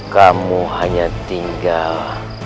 kamu hanya tinggal